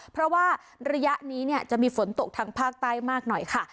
เพราะว่าระยะนี้จะมีฝนตกทางภาคใต้มากหน่อยค่ะ